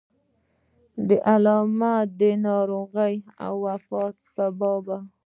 د علامه د ناروغۍ او وفات په باب.